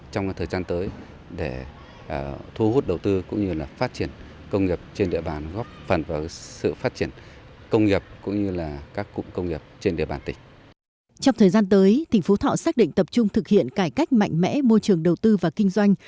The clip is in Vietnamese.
trong thời gian tới tỉnh phú thọ xác định tập trung thực hiện cải cách mạnh mẽ môi trường đầu tư và kinh doanh